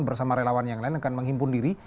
bersama relawan yang lain akan menghimpun diri